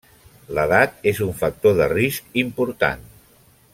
L'edat és un factor de risc important.